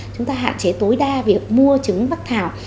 chúng ta hạn chế tối đa việc mua trứng bắc thảo